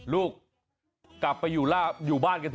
ลูกกลับไปอยู่บ้านกันเ